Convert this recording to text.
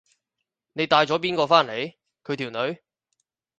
你帶咗邊個返嚟？佢條女？